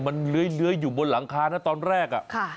มันเลื้อยอยู่บนหลังคานะตอนแรก